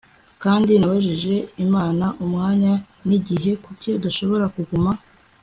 kandi nabajije imana umwanya nigihe kuki udashobora kuguma